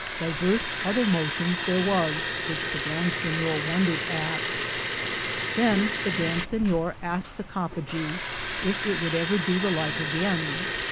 Divers other motions thare was which the Grand Sinyor wondered at. Than the Grand Sinyor asked the Coppagawe^ yf it would ever doo the lyke againe.